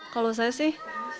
kalau saya sih